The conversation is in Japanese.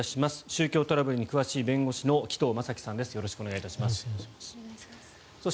宗教トラブルに詳しい弁護士の紀藤正樹さんです